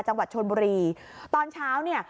จังหวัดชนบุรีตอนเช้าเนี่ย